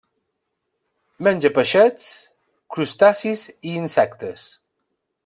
Menja peixets, crustacis i insectes.